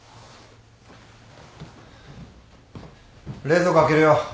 冷蔵庫開けるよ。